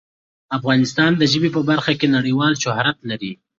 افغانستان د ژبې په برخه کې نړیوال شهرت لري.